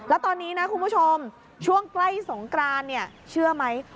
แล้วตอนนี้นะคุณผู้ชมช่วงใกล้สงกรานเนี่ยเชื่อไหม